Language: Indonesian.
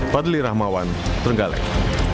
padli rahmawan trenggalek